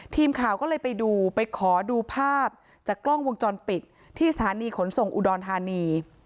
ทีมข่าวก็เลยไปดูไปขอดูภาพจากกล้องวงจรปิดที่สถานีขนส่งอุดรธานี